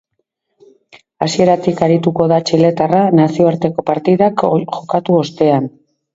Hasieratik arituko da txiletarra nazioarteko partidak jokatu ostean.